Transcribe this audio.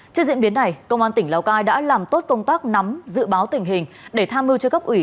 trước diễn biến này công an tỉnh lào cai đã làm tốt công tác nắm dự báo tình hình để tham mưu cho cấp ủy